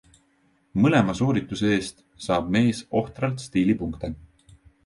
Mõlema soorituse eest saab mees ohtralt stiilipunkte.